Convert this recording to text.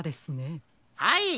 はい。